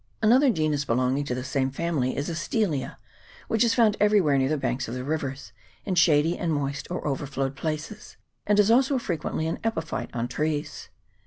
Another genus belonging to the same family is Astelia, CHAP. XXIX.J NEW ZEALAND. 425 which is found everywhere near the banks of the rivers, in shady and moist or overflowed places, and is also frequently an epiphyte on trees.